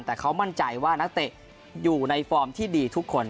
แต่เขามั่นใจว่านักเตะอยู่ในฟอร์มที่ดีทุกคน